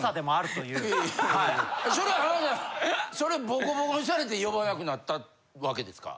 ボコボコにされて呼ばなくなったわけですか？